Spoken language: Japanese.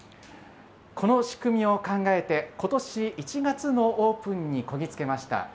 この仕組みを考えて、ことし１月のオープンにこぎ着けました。